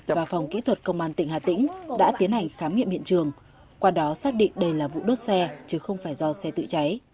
và phòng kỹ thuật công an tỉnh hà tĩnh đã tiến hành khám nghiệm hiện trường qua đó xác định đây là vụ đốt xe chứ không phải do xe tự cháy